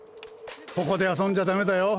ここであそんじゃダメだよ。